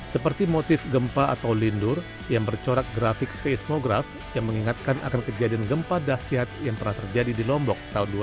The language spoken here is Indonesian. seperti motif gempa atau lindur yang bercorak grafik seismograf yang mengingatkan akan kejadian gempa dasyat yang pernah terjadi di lombok tahun dua ribu